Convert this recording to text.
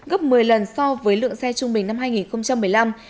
gấp một mươi lần so với lượng xe trung bình năm hai nghìn một mươi năm